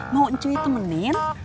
mau ncuy temenin